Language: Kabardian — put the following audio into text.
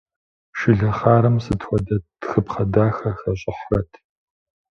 Шылэхъархэм сыт хуэдэ тхыпхъэ дахэ хащӏыхьрэт.